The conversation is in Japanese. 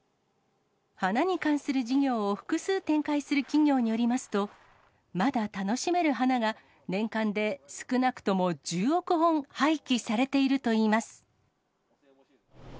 花に関する事業を複数展開する企業によりますと、まだ楽しめる花が年間で少なくとも１０億本、廃棄されているといいます。